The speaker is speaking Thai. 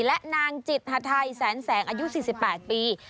และนางจิตหาไทยแสนแสงอายุ๔๘ปี